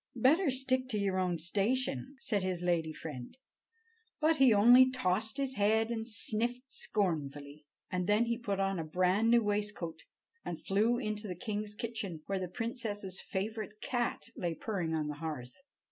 "Better stick to your own station," said his lady friend. But he only tossed his head and sniffed scornfully. And then he put on a brand new waistcoat and flew into the king's kitchen, where the princess's favorite cat lay purring on the hearth.